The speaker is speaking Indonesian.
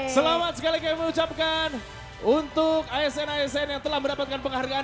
selamat sekali kami mengucapkan untuk asn asn yang telah mendapatkan penghargaan